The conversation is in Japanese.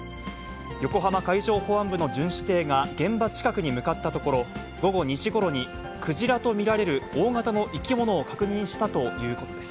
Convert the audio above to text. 横浜海上保安部の巡視艇が現場近くに向かったところ、午後２時ごろに、クジラと見られる大型の生き物を確認したということです。